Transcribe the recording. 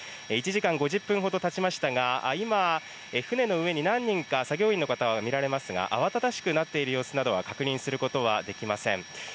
１時間５０分ほどたちましたが、今、船の上に何人か、作業員の方が見られますが、慌ただしくなっている様子などは確認することはできません。